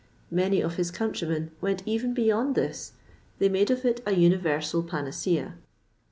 Many of his countrymen went even beyond this: they made of it a universal panacea.